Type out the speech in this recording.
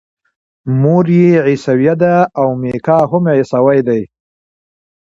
مور یې عیسویه ده او میکا هم عیسوی دی.